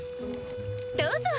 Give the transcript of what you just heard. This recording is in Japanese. どうぞ！